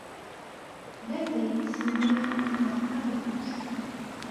D atay ay tesmenyafem neɣ d taɣlust?